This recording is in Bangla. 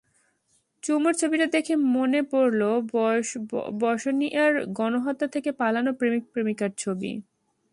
চুমুর ছবিটা দেখে মনে পড়ল বসনিয়ার গণহত্যা থেকে পালানো প্রেমিক প্রেমিকার ছবি।